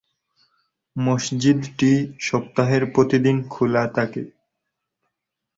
মসজিদটি সপ্তাহের প্রতিদিন খোলা থাকে।